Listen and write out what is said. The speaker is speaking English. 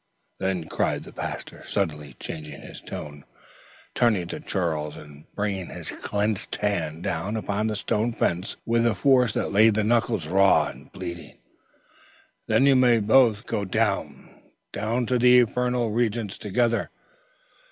"] "Then," cried the pastor, suddenly changing his tone, turning to Charles, and bringing his clenched hand down upon the stone fence with a force that laid the knuckles raw and bleeding; "then you may both go down down to the infernal regions together!"